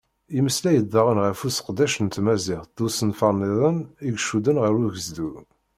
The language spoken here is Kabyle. Yemmeslay-d daɣen ɣef useqdec n tmaziɣt d usenfar-nniḍen i icudden ɣar ugezdu.